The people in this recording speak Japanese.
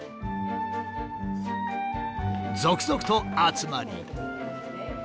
続々と集まり。